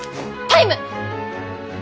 タイム？